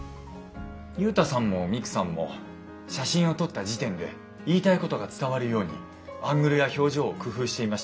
ユウタさんもミクさんも写真を撮った時点で言いたいことが伝わるようにアングルや表情を工夫していましたよね。